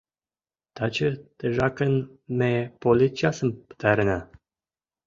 Таче тыжакын ме политчасым пытарена.